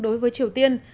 đối với triều tiên